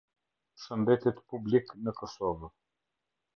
Shëndetit publik në Kosovë.